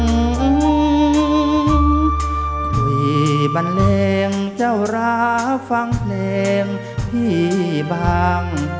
คุยบันเลงเจ้าราฟังเพลงพี่บาง